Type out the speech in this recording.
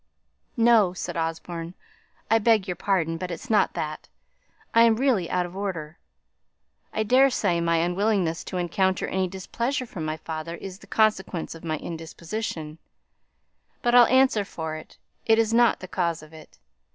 "No," said Osborne, "I beg your pardon; but it's not that; I am really out of order. I daresay my unwillingness to encounter any displeasure from my father is the consequence of my indisposition; but I'll answer for it, it is not the cause of it.